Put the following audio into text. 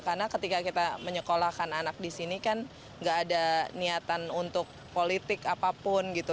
karena ketika kita menyekolahkan anak di sini kan enggak ada niatan untuk politik apapun gitu